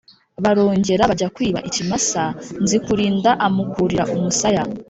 Barongera bajya kwiba, ikimasa, Nzikurinda amukurira umusaya